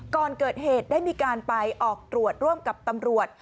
ก่อนเกิดเหตุได้มีการไปออกตรวจร่วมกับตำรวจ